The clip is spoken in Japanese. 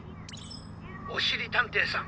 「おしりたんていさん